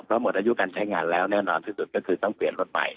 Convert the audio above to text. เพราะหมดอายุการใช้งานแล้วแน่นอนที่สุดก็คือต้องเปลี่ยนรถใหม่